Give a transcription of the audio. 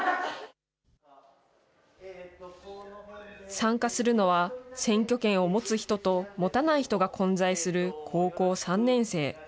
参加するのは選挙権を持つ人と持たない人が混在する高校３年生。